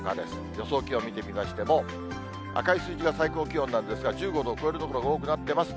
予想気温見てみましても、赤い数字が最高気温なんですが、１５度を超える所が多くなっています。